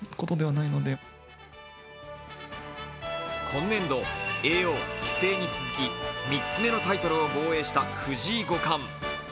今年度叡王、棋聖に続き三つ目のタイトルを防衛した藤井５冠。